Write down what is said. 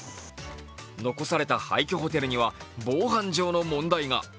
残された廃虚ホテルには防犯上の問題が。